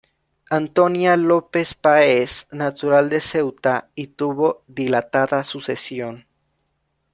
Antonia López Páez, natural de Ceuta, y tuvo dilatada sucesión.